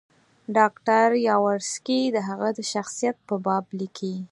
ډاکټر یاورسکي د هغه د شخصیت په باب لیکي.